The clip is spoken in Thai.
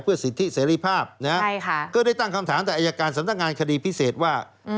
เพื่อสิทธิเสรีภาพนะฮะก็ได้ตั้งคำถามแต่อายการสำนักงานคดีพิเศษว่า